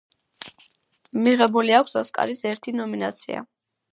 მიღებული აქვს ოსკარის ერთი ნომინაცია.